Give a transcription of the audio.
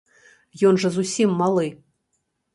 Ён жа зусім малы.